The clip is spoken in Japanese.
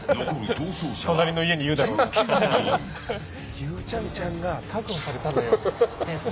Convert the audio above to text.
ゆうちゃみちゃんが確保されちゃった。